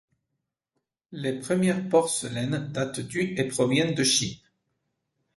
Les premières porcelaines datent du et proviennent de Chine.